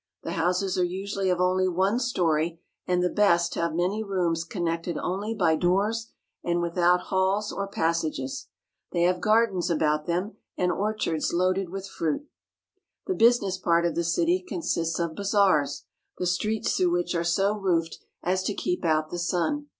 The houses are usually of only one story, and the best have many rooms connected only by doors and without halls or passages. They have gardens about them, and orchards loaded with fruit. The business part of the city consists of bazaars, the streets through which are so roofed as to keep out the sun.